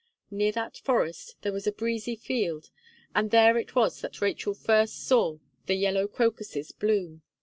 Near that forest there was a breezy field; and there it was that Rachel first saw the yellow crocuses bloom.